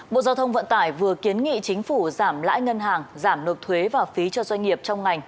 bộ giao thông vận tải vừa kiến nghị chính phủ giảm lãi ngân hàng giảm nộp thuế và phí cho doanh nghiệp trong ngành